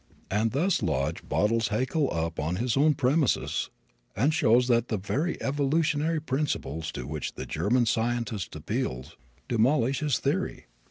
And thus Lodge bottles Haeckel up on his own premises and shows that the very evolutionary principles to which the German scientist appeals demolish his theory!